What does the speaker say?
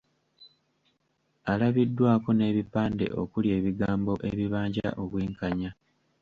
Alabiddwako n’ebipande okuli ebigambo ebibanja obwenkanya.